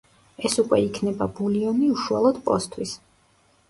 ეს უკვე იქნება ბულიონი უშუალოდ პოსთვის.